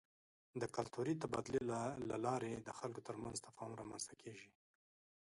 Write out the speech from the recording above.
د کلتوري تبادلې له لارې د خلکو ترمنځ تفاهم رامنځته کېږي.